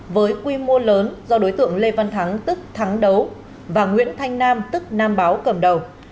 với quy mô lớn do đối tượng lê văn thắng tức thắng đấu và nguyễn thanh nam tức nam báo cầm đầu